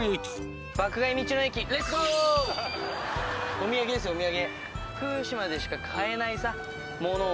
お土産ですよお土産。